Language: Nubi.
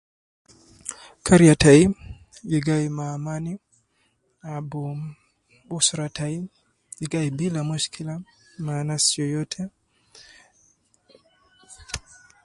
Kariya tayi gi gayi ma amani abu usra tayi gi gayi bila mushkila ma anas yoyote.